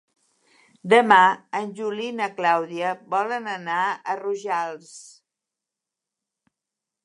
Demà en Juli i na Clàudia volen anar a Rojals.